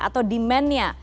atau demand nya